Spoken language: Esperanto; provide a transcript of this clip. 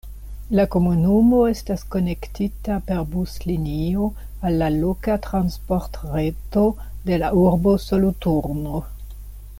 La komunumo estas konektita per buslinio al la loka transportreto de la urbo Soloturno.